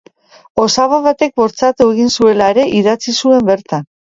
Osaba batek bortxatu egin zuela ere idatzi zuen bertan.